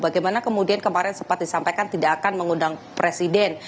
bagaimana kemudian kemarin sempat disampaikan tidak akan mengundang presiden